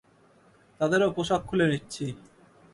তাদেরও পোশাক খুলে নিচ্ছি।